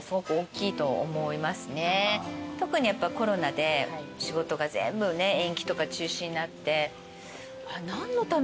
特にコロナで仕事が全部ね延期とか中止になって。